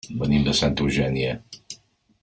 Venim de Santa Eugènia.